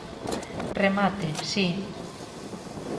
Remate, si.